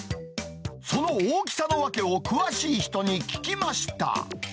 その大きさの訳を詳しい人に聞きました。